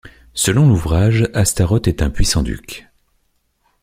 Selon l'ouvrage, Astaroth est un puissant duc.